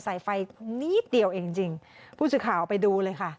สายไฟนิดเดียวจริงผู้สื่อข่าวไปดูเลยค่ะ